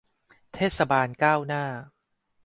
เทศบาลก้าวหน้า